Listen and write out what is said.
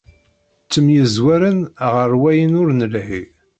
Ttemyezwaren ɣer wayen ur nelhi.